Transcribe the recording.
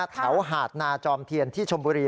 หาดนาจอมเทียนที่ชมบุรี